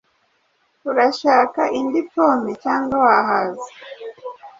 Urashaka indi pome cyangwa wahaze?